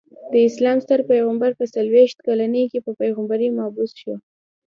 د اسلام ستر پيغمبر په څلويښت کلني کي په پيغمبری مبعوث سو.